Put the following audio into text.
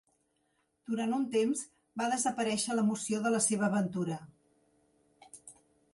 Durant un temps, va desaparèixer l'emoció de la seva aventura.